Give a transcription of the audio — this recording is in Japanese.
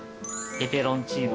ペペロンチーノ